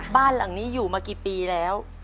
บ้านหลังนี้อยู่มากี่ปีแล้ว